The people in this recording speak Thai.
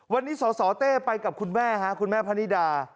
วันนี้สสเต้ไปกับคุณแม่คุณแม่พนิดา